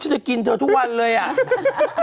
จะกินเธอทุกวันเลยอ่ะ